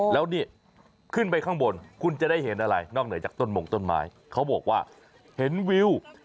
แล้วนี่ขึ้นไปข้างบนคุณจะได้เห็นอะไรนอกเหนื่อยจากต้นหมงต้นไม้